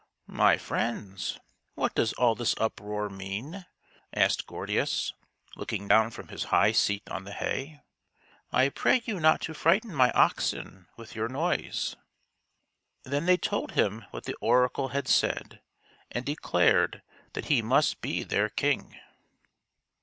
" My friends, what does all this uproar mean ?" asked Gordius, looking down from his high seat on the hay. " I pray you not to frighten my oxen with your noise." Then they told him what the oracle had said, and declared that he must be their king.